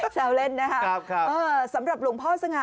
แซวเล่นนะครับสำหรับหลวงพ่อสง่า